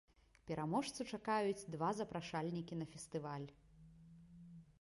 Пераможцу чакаюць два запрашальнікі на фестываль!